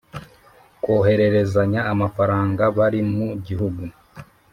Kohererezanya amafaranga bari mu gihugu